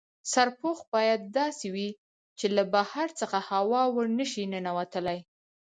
سرپوښ باید داسې وي چې له بهر څخه هوا ور نه شي ننوتلای.